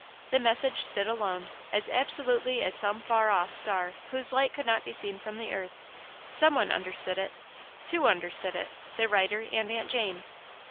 The message stood alone, as absolutely as some far off star whose light could not be seen from the earth. Some one understood it two understood it the writer and Aunt Jane.